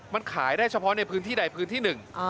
มันขายได้เฉพาะในพื้นที่ใดพื้นที่หนึ่ง